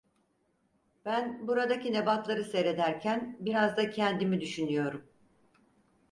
Ben buradaki nebatları seyrederken biraz da kendimi düşünüyorum!